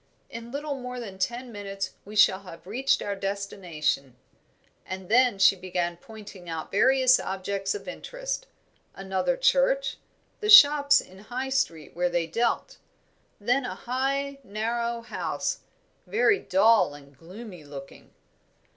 In little more than ten minutes we shall have reached our destination;" and then she began pointing out various objects of interest another church, the shops in High Street where they dealt, then a high, narrow house, very dull and gloomy looking.